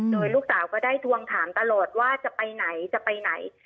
โดยลูกสาวก็ได้ทวงถามตลอดว่าจะไปไหนจะไปไหน